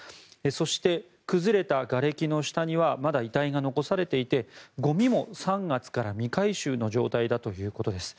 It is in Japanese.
そして崩れたがれきの下にはまだ遺体が残されていてゴミも３月から未回収の状態だということです。